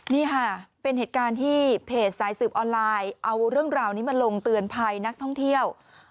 นี่ค่ะเป็นเหตุการณ์ที่เพจสายสืบออนไลน์เอาเรื่องราวนี้มาลงเตือนภัยนักท่องเที่ยว